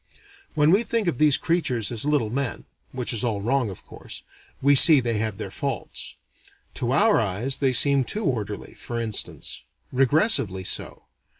When we think of these creatures as little men (which is all wrong of course) we see they have their faults. To our eyes they seem too orderly, for instance. Repressively so.